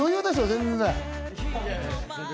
全然。